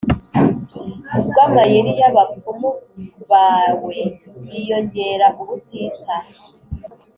ubwo amayeri y’abapfumu bawe yiyongera ubutitsa.